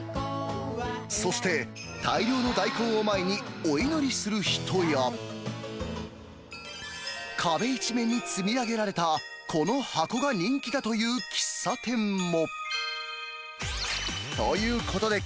そして、大量の大根を前にお祈りする人や、壁一面に積み上げられた、この箱が人気だという喫茶店も。